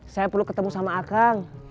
saya perlu ketemu sama akang